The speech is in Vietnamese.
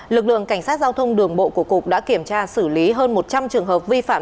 lực lượng cảnh sát giao thông đường bộ của cục đã kiểm tra xử lý hơn một trăm linh trường hợp vi phạm